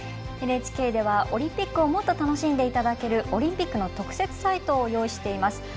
ＮＨＫではオリンピックをもっと楽しんでいただけるオリンピックの特設サイトを用意しています。